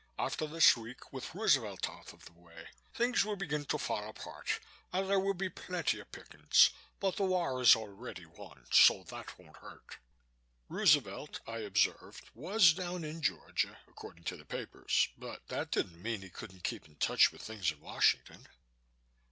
After this week, with Roosevelt out of the way, things will begin to fall apart and there will be plenty of pickings but the war is already won, so that won't hurt." Roosevelt, I observed, was down in Georgia, according to the papers, but that didn't mean he couldn't keep in touch with things in Washington.